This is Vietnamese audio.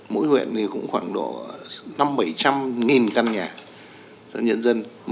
mỗi huyện thì cũng khoảng độ năm bảy trăm linh nghìn căn nhà